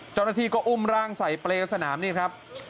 เจ้าหน้าที่ก็อุ้มร่างใส่เปรย์สนามนี่ครับ